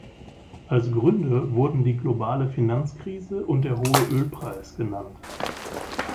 Als Gründe wurden die globale Finanzkrise und der hohe Ölpreis genannt.